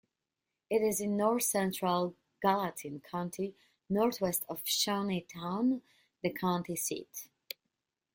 It is in north-central Gallatin County, northwest of Shawneetown, the county seat.